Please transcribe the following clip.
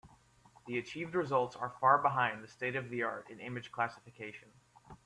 The achieved results are far behind the state-of-the-art in image classification.